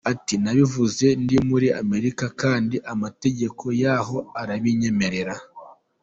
Ati: “Nabivuze ndi muri Amerika kandi amategeko yahoo arabinyemerera.”